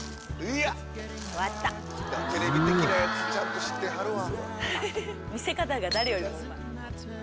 テレビ的なやつちゃんと知ってはるわ。